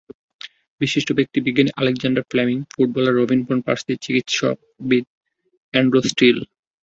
বিশিষ্ট ব্যক্তিত্ব—বিজ্ঞানী Alexander Fleming, footballer Robin van Persie, চিকিৎসাবিদ অ্যান্ড্রু স্টিল।